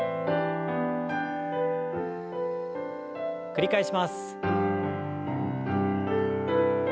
繰り返します。